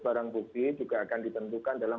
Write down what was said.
barang bukti juga akan ditentukan dalam